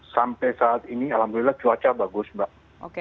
sampai saat ini alhamdulillah cuaca bagus mbak